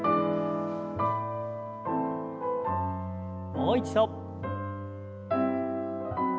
もう一度。